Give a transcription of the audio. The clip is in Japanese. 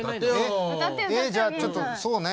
えじゃあちょっとそうね。